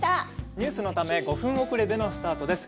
ニュースのため５分遅れのスタートです。